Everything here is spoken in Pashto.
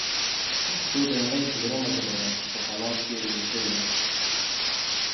پښتو د نړۍ ځلورمه ژبه ده چې په خلا کښې ویل شوې ده